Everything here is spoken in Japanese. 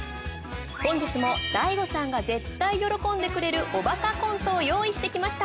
本日も大悟さんが絶対喜んでくれるおバカコントを用意してきました。